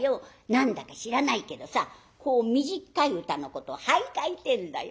何だか知らないけどさこう短い歌のことを俳諧ってえんだよ。